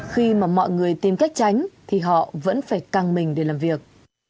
khi mà mọi người tìm cách tránh thì họ vẫn phải căng mình để làm việc